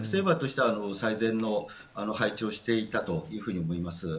ライフセーバーとしては最善の配置をしていたと思います。